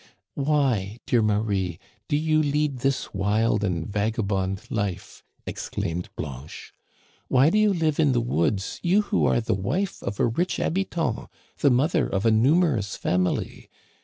" Why, dear Marie, do you lead this wild and vaga bond life ?" exclaimed Blanche. "Why do you live in the woods, you who are the wife of a rich habitant^ the mother of a numerous family?